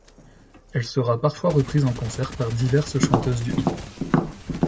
Elle sera parfois reprise en concert par diverses chanteuses du H!P.